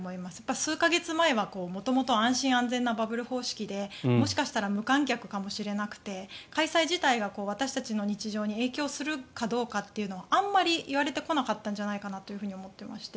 数か月前は元々、安心安全なバブル方式でもしかしたら無観客かもしれなくて開催自体が私たちの日常に影響するかどうかというのはあんまり言われてこなかったのかなと思っていまして。